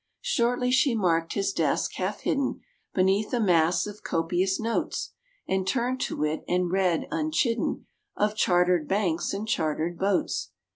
Shortly she marked his desk, half hidden Beneath a mass of copious notes, And turned to it and read, unchidden, Of chartered banks and chartered boats.